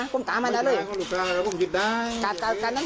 ก็เป็นแบบนี้เดียวพี่ตังค์๕เลยต่อเดียว